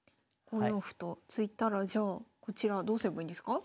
５四歩と突いたらじゃあこちらどうすればいいんですか？